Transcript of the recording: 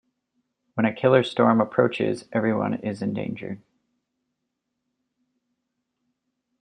When a 'killer storm' approaches, everyone is endangered.